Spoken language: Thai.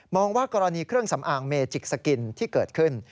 ว่ากรณีเครื่องสำอางเมจิกสกินที่เกิดขึ้น